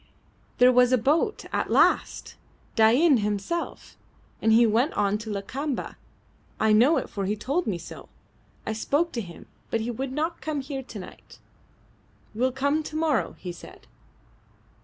"There was a boat. At last! Dain himself; and he went on to Lakamba. I know it, for he told me so. I spoke to him, but he would not come here to night. Will come to morrow, he said."